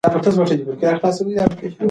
ډاکټران دا کار ګټور بولي.